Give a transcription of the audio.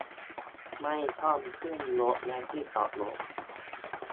ไม่ต้องพึ่งรถและที่จอดรถ